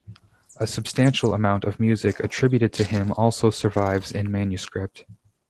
A substantial amount of music attributed to him also survives in manuscript.